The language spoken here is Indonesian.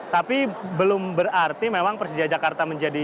tapi belum berarti memang persija jakarta menjadi